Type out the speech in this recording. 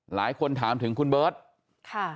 หลายคนถามถึงคุณเบิร์ตค่ะ